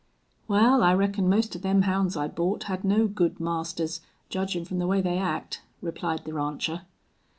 "Wal, I reckon most of them hounds I bought had no good masters, judgin' from the way they act," replied the rancher.